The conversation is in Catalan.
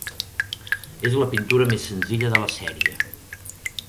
És la pintura més senzilla de la sèrie.